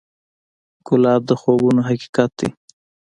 ګلاب د خوبونو حقیقت دی.